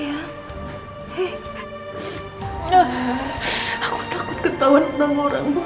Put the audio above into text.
aku takut ketawa dengan orangmu